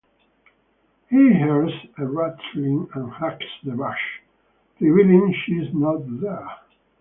He hears a rustling and hacks the bush, revealing she is not there.